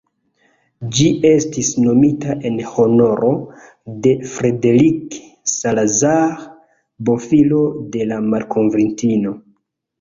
Ĝi estis nomita en honoro de "Frederick Salazar", bofilo de la malkovrintino.